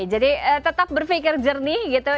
jadi tetap berpikir jernih gitu